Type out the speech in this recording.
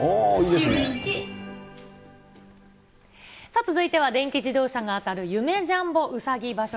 続いては電気自動車が当たる、夢・ジャンボうさぎ場所。